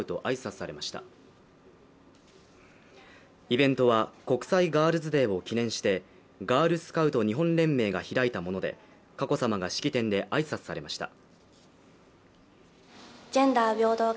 イベントは国際ガールズ・デーを記念してガールスカウト日本連盟が開いたもので佳子さまが式典で挨拶されました。